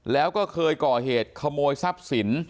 แล้วก็เคยก่อเหตุขโมยทรัพย์สิน